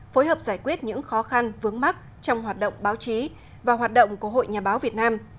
phối hợp giải quyết những khó khăn vướng mắt trong hoạt động báo chí và hoạt động của hội nhà báo việt nam